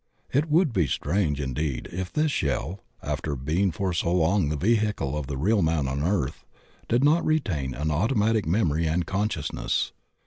It would be strange in deed if this shell, after being for so long the vehicle of the real man on earth, did not retain an automatic memory and consciousness.